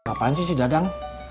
ngapain sih si dadang